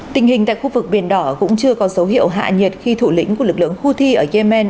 tình hình tại khu vực biển đỏ cũng chưa có dấu hiệu hạ nhiệt khi thủ lĩnh của lực lượng houthi ở yemen